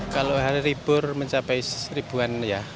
kalau hari libur mencapai satu orang pengunjung